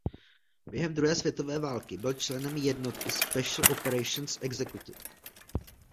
Během druhé světové války byl členem jednotky Special Operations Executive.